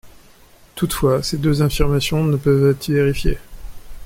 Toutefois, ces deux affirmations ne peuvent être vérifiées.